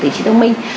tới trí thông minh